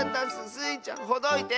スイちゃんほどいて！